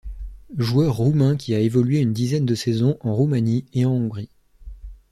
Joueur roumain qui a évolué une dizaine de saisons en Roumanie et en Hongrie.